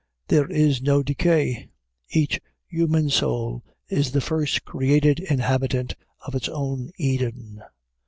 There is no decay. Each human soul is the first created inhabitant of its own Eden.